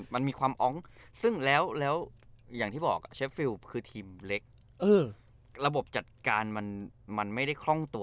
มันมีความอองซึ่งแล้วอย่างที่บอกเชฟฟิลคือทีมเล็กระบบจัดการมันไม่ได้คล่องตัว